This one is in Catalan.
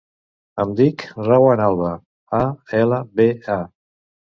Em dic Rawan Alba: a, ela, be, a.